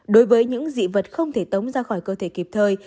đối với những dị vật không thể tống ra khỏi cơ thể kịp thời